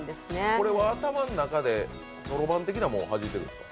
これは頭の中でそろばん的なものをはじいているんですか？